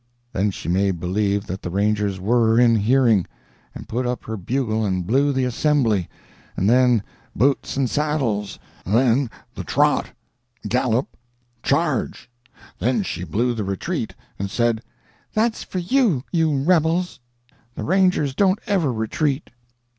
Then she made believe that the Rangers were in hearing, and put up her bugle and blew the 'assembly'; and then, 'boots and saddles'; then the 'trot'; 'gallop'; 'charge!' Then she blew the 'retreat,' and said, 'That's for you, you rebels; the Rangers don't ever retreat!